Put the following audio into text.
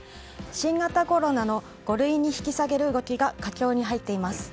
新型コロナの五類に引き下げる動きが佳境に入っています。